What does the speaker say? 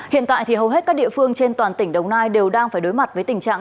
hiện tại thì hầu hết các địa phương trên toàn tỉnh đồng nai đều đang phải đối mặt với tình trạng